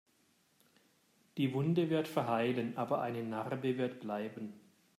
Die Wunde wird verheilen, aber eine Narbe wird bleiben.